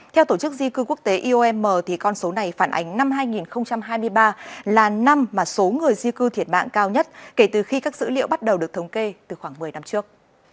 theo tổ chức di cư quốc tế iom thì con số này phản ánh năm hai nghìn hai mươi ba là năm mà số người di cư thiệt mạng cao nhất kể từ khi các dữ liệu bắt đầu được thống kê từ khoảng một mươi năm trước